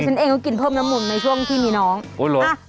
ใช้เมียได้ตลอด